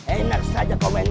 enak saja komen gua